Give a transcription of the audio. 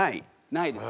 ないです。